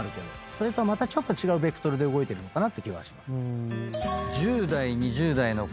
それとはちょっと違うベクトルで動いてるのかなって気はします。